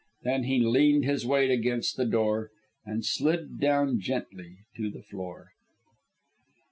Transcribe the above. Then he leaned his weight against the door and slid down gently to the floor.